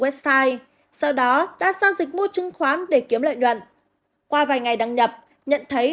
website sau đó đã giao dịch mua chứng khoán để kiếm lợi nhuận qua vài ngày đăng nhập nhận thấy